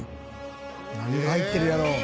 何が入ってるやろう？